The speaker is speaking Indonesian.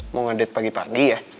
mau ngedit pagi pagi ya